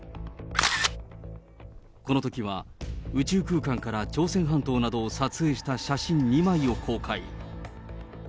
このときは宇宙空間から朝鮮半島などを撮影した写真２枚を公開。